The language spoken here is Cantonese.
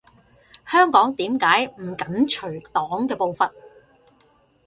香港點解唔緊隨黨嘅步伐？